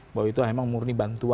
bahwa itu memang murni bantuan